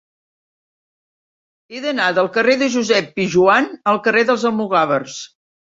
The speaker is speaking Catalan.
He d'anar del carrer de Josep Pijoan al carrer dels Almogàvers.